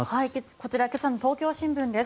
こちら今朝の東京新聞です。